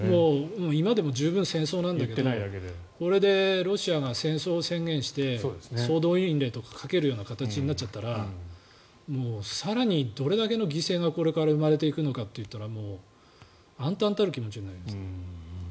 今でも十分戦争なんだけどこれでロシアが戦争を宣言して総動員令をかける形になっちゃったらもう更にどれだけの犠牲がこれから生まれていくのかといったら暗たんたる気持ちになります。